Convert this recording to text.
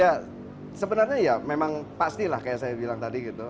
ya sebenarnya ya memang pastilah kayak saya bilang tadi gitu